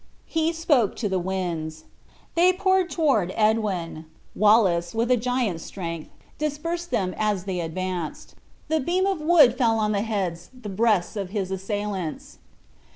He spoke to the winds. They poured toward Edwin; Wallace, with a giant's strength, dispersed them as they advanced; the beam of wood fell on the heads, the breasts of his assailants.